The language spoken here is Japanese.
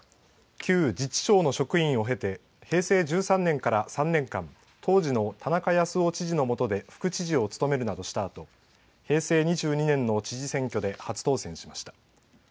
旧自治省の職員を経て平成１３年から３年間当時の田中康夫知事の下で副知事を務めるなどしたあと平成２２年の知事選挙で初当選しました。